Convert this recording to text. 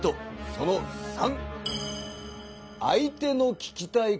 その３。